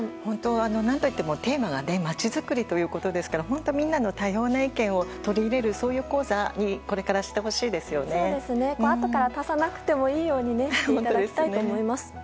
テーマがまちづくりということですからみんなの多様な意見を取り入れるような講座にあとから足さなくてもいいようにやっていただきたいと思います。